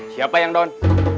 siapa yang don